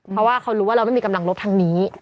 เพราะว่าเขารู้ว่าเราไม่มีกำลังลบทางนี้